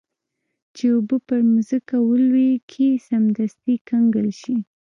چې اوبه پر مځکه ولویږي سمدستي کنګل شي.